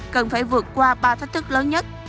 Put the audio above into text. cần phải vượt qua ba thách thức lớn nhất